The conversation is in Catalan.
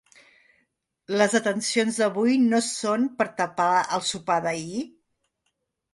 Les detencions d'avui no són per tapar el sopar d'ahir?